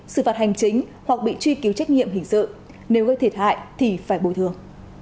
xử phạt hành chính hoặc bị truy cứu trách nhiệm hình sự nếu gây thiệt hại thì phải bồi thường